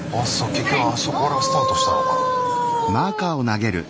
結局あそこからスタートしたのかな？